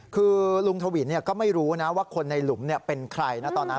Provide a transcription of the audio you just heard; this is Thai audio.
คือลุงทวินก็ไม่รู้นะว่าคนในหลุมเป็นใครนะตอนนั้น